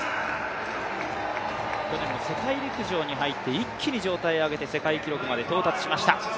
去年も世界陸上に入って、一気に状態を上げて世界記録まで到達してきました。